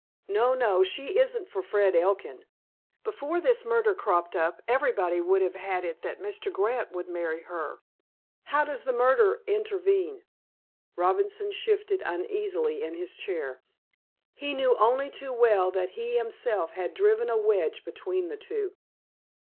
No, no. She isn't for Fred Elkin. Before this murder cropped up everybody would have it that Mr. Grant would marry her." "How does the murder intervene?" Robinson shifted uneasily in his chair. He knew only too well that he himself had driven a wedge between the two.